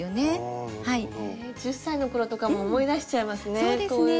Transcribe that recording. １０歳の頃とかも思い出しちゃいますね。